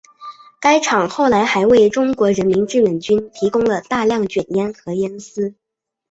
该厂后来还为中国人民志愿军提供了大量卷烟和烟丝。